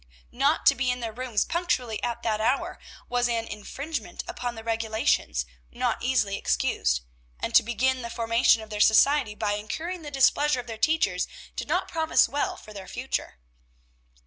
Not to be in their rooms punctually at that hour was an infringement upon the "regulations" not easily excused, and to begin the formation of their society by incurring the displeasure of their teachers did not promise well for their future.